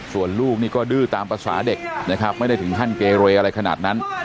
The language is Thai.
ส่วนลูกนี่ก็ดื้อตามภาษาเด็กนะครับไม่ได้ถึงขั้นเกเรอะไรขนาดนั้น